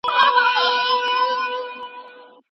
درسونه په انلاين کورس کي دوامداره وګوره.